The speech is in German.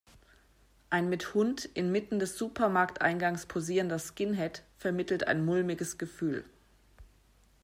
Ein mit Hund in Mitten des Supermarkteingangs posierender Skinhead vermittelt ein mulmiges Gefühl.